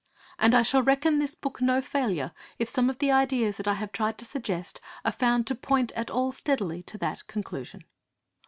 And I shall reckon this book no failure if some of the ideas that I have tried to suggest are found to point at all steadily to that conclusion.